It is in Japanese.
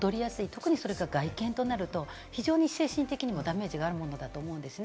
特にそれが外見となると非常に精神的にもダメージがあるものだと思います。